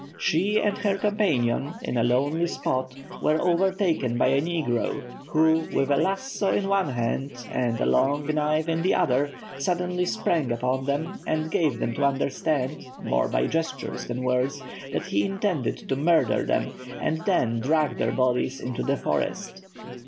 She and her companion, in a lonely spot, were overtaken by a negro, who, with a lasso in one hand and a long knife in the other, suddenly sprang upon them, and gave them to understand, more by gestures than words, that he intended to murder them, and then drag their bodies into the forest.